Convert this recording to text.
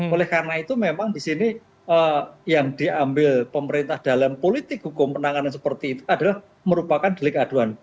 oleh karena itu memang di sini yang diambil pemerintah dalam politik hukum penanganan seperti itu adalah merupakan delik aduan